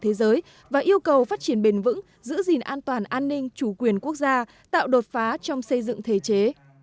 thế giới và yêu cầu phát triển bền vững giữ gìn an toàn an ninh chủ quyền quốc gia tạo đột phá trong xây dựng thể chế